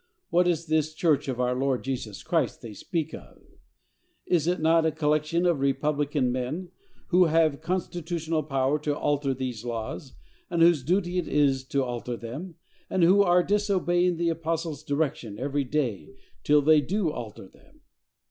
What is this church of our Lord Jesus Christ, that they speak of? Is it not a collection of republican men, who have constitutional power to alter these laws, and whose duty it is to alter them, and who are disobeying the apostle's directions every day till they do alter them?